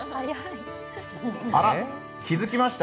あら、気付きました？